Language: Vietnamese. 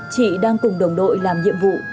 chị đang cùng đồng đội làm nhiệm vụ